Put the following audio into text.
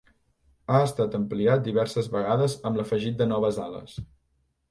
Ha estat ampliat diverses vegades amb l'afegit de noves ales.